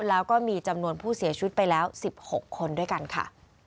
แล้วก็มีจำนวนผู้เสียชีวิตไปแล้ว๑๖คนด้วยกันค่ะ